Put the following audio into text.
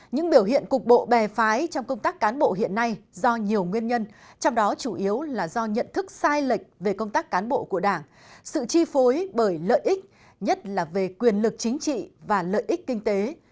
những biểu hiện cục bộ bè phái trong công tác cán bộ hiện nay do nhiều nguyên nhân trong đó chủ yếu là do nhận thức sai lệch về công tác cán bộ của đảng sự chi phối bởi lợi ích nhất là về quyền lực chính trị và lợi ích kinh tế